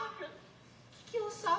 桔梗さん。